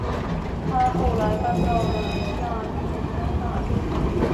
她后来搬到了亚利桑那州。